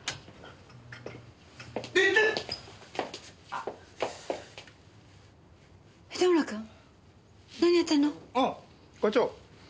ああ課長。